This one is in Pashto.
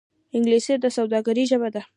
انګلیسي د سوداگرۍ ژبه ده